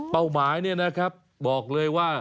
เป้าหมายเนี่ยนะครับบอกเลยว่า